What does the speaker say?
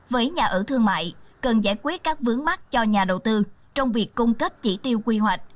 với nhà ở thương mại cần giải quyết các vướng mắt cho nhà đầu tư trong việc cung cấp chỉ tiêu quy hoạch